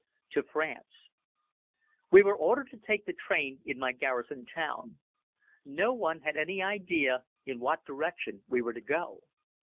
To France WE were ordered to take the train in my garrison town. No one had any idea in what direction we were to go.